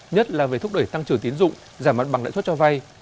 nhất là về thúc đẩy tăng trưởng tiến dụng giảm mặt bằng lãi suất cho vay